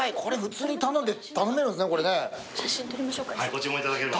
ご注文いただければ。